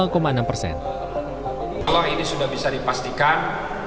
kalau ini sudah bisa dipastikan